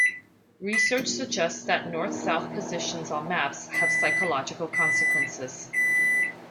Research suggests that north-south positions on maps have psychological consequences.